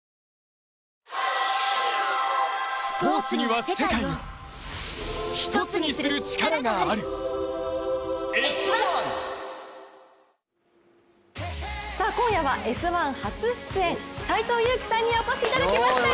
はい今夜は「Ｓ☆１」初出演斎藤佑樹さんにお越しいただきました。